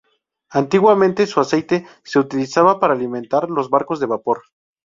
Antiguamente su aceite se utilizaba para alimentar los barcos de vapor.